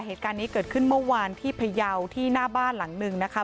เหตุการณ์นี้เกิดขึ้นเมื่อวานที่พยาวที่หน้าบ้านหลังหนึ่งนะคะ